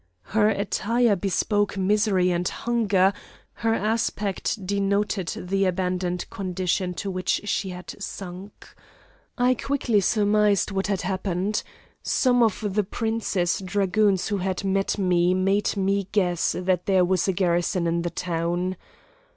Her attire bespoke misery and hunger, her aspect denoted the abandoned condition to which she had sunk. I quickly surmised what had happened; some of the prince's dragoons who had met me, made me guess that there was a garrison in the town.